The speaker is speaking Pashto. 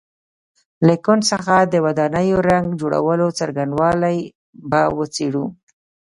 له ګچ څخه د ودانیو رنګ جوړولو څرنګوالی به وڅېړو.